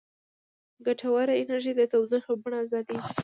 ګټوره انرژي د تودوخې په بڼه ازادیږي.